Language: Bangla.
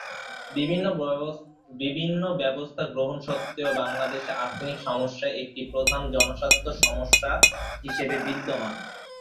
বিভিন্ন ব্যবস্থা গ্রহণ সত্ত্বেও বাংলাদেশে আর্সেনিক সমস্যা একটি প্রধান জনস্বাস্থ্য সমস্যা হিসেবে বিদ্যমান।